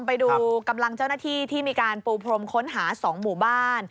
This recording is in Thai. ไปดูกำลังเจ้าหน้าที่ที่มีการปูพรมค้นหา๒หมู่บ้าน